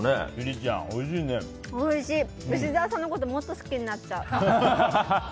吉沢さんのこともっと好きになっちゃう。